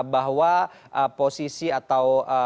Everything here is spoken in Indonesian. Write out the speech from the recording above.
bahwa posisi atau kursi menteri itu